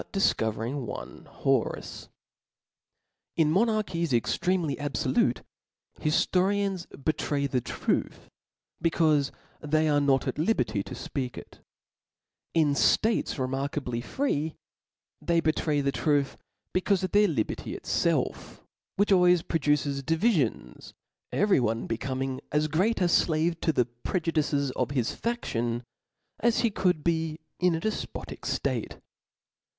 difcovcring one Horace. In monarchies extremely abfolute, hiftorians be tray the truths becaufe they are not at liberty to fpcak it; in dates remarkably free, they betray the truth, becaufe of their liberty itfelf, which al ways produces divifions, every one becoming as I great 4^ T H E S P I R I T, &ۥ ^zixf &^^^^^^ ^o ^c prejudices of his fadion, as he Ob»p. %T could be ii» a defpotic ftate*.